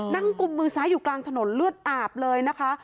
กุมมือซ้ายอยู่กลางถนนเลือดอาบเลยนะคะ